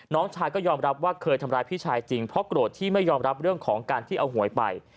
น้องชายก็ยอมรับว่าเคยทำร้ายพี่ชายจริงเพราะโกรธที่ไม่ยอมรับเรื่องของการที่เอาหวยไป